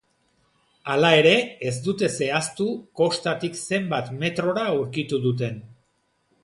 Hala ere, ez dute zehaztu kostatik zenbat metrora aurkitu duten.